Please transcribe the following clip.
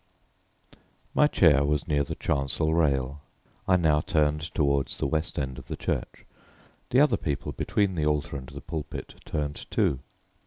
My chair was near the chancel rail, I now turned toward the west end of the church. The other people between the altar and the pulpit turned too.